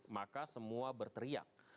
maka semua berteriak